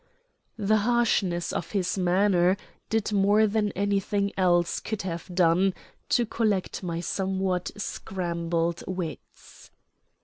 The harshness of his manner did more than anything else could have done to collect my somewhat scrambled wits.